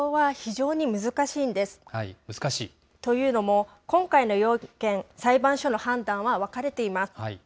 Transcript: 難しい？というのも、今回の４件、裁判所の判断は分かれています。